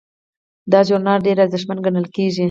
دا ژورنال ډیر ارزښتمن ګڼل کیږي.